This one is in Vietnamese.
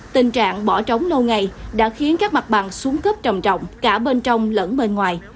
tình trạng bỏ trống lâu ngày đã khiến các mặt bằng xuống cấp trầm trọng cả bên trong lẫn bên ngoài